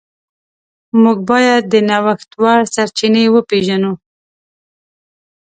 موږ باید د نوښت وړ سرچینې وپیژنو.